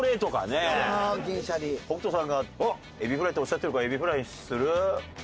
北斗さんがエビフライっておっしゃってるからエビフライにする？